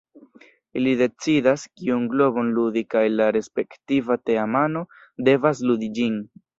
Ili decidas kiun globon ludi kaj la respektiva teamano devas ludi ĝin.